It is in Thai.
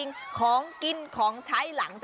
แย่งชิงของกินของใช้หลัง